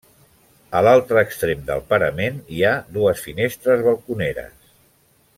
A l'altre extrem del parament hi ha dues finestres balconeres.